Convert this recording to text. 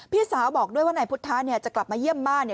พี่สาวบอกด้วยว่านายพุทธะเนี่ยจะกลับมาเยี่ยมบ้าน